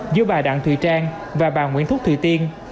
giữa bà đặng thùy trang và bà nguyễn thúc thủy tiên